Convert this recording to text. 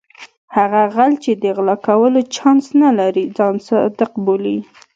هغه غل چې د غلا کولو چانس نه لري ځان صادق بولي.